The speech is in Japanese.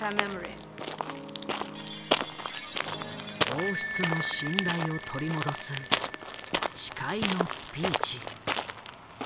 王室の信頼を取り戻す誓いのスピーチ。